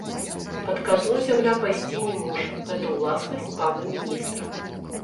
Пад казну зямля пайсці не можа, гэта ўласнасць пана міністра.